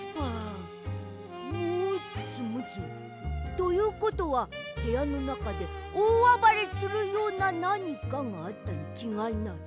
ということはへやのなかでおおあばれするようななにかがあったにちがいない。